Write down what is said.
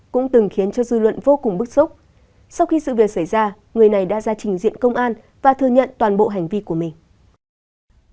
cũng từng khiến cho dư luận vô cùng bức xúc sau khi sự việc xảy ra người này đã ra trình diện công an và thừa nhận toàn bộ hành vi của mình